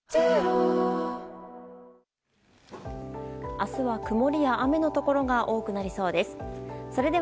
明日は、曇りや雨のところが多くなりそうです。